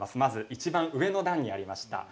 いちばん上の段にありました